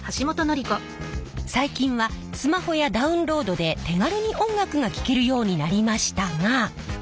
最近はスマホやダウンロードで手軽に音楽が聴けるようになりましたが。